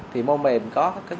thì mô mềm có các vết chân mềm